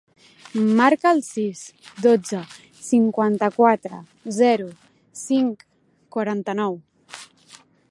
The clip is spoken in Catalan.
Marca el sis, dotze, cinquanta-quatre, zero, cinc, quaranta-nou.